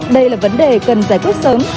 đây là vấn đề cần giải quyết sớm